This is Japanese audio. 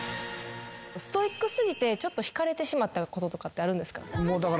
ストイック過ぎてちょっと引かれてしまったこととかってあるんですか？